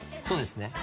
「そうですね」